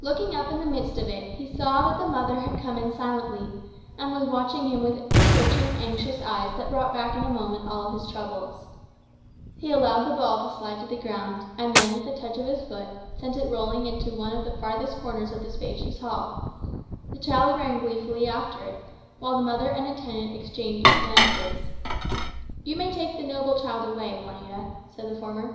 Looking up in the midst of it, he saw that the mother had come in silently, and was watching him with searching anxious eyes that brought back in a moment all his troubles. He allowed the ball to slide to the ground, and then, with a touch of his foot, sent it rolling into one of the farthest corners of the spacious hall. The child ran gleefully after it; while the mother and the attendant exchanged glances. "You may take the noble child away, Juanita," said the former.